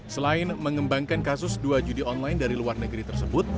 selain mengembangkan kasus dua judi online dari luar negeri tersebut